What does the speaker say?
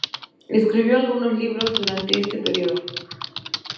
Escribió algunos libros durante este periodo.